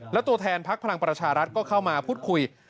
และตัวแทนพักพลังประชารัฐก็เข้ามาพูดคุย